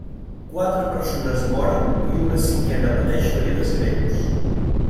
Quatre persones moren i una cinquena pateix ferides greus.